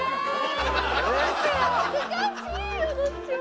恥ずかしいよどっちも。